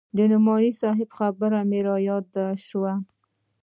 د نعماني صاحب خبره مې راياده سوه.